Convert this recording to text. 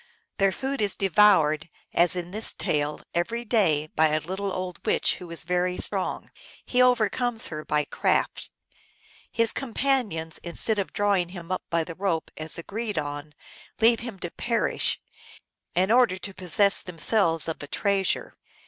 Their food is devoured, as in this tale, every day by a little old witch who is very strong. He overcomes her by craft. His com panions, instead of drawing him up by the rope, as agreed on, leave him to perish, in order to possess themselves of a treasure.